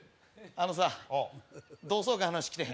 あのさ同窓会の話来てへん？